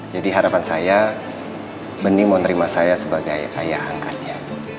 jadi harapan saya bening mau terima saya sebagai ayah angkatnya